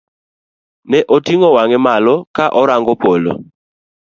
Ne oting'o wang'e malo ka orango polo.